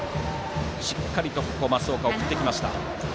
しっかりと益岡は送ってきました。